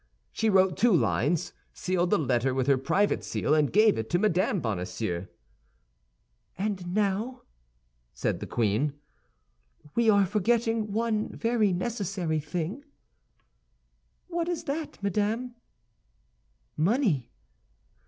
She wrote two lines, sealed the letter with her private seal, and gave it to Mme. Bonacieux. "And now," said the queen, "we are forgetting one very necessary thing." "What is that, madame?" "Money."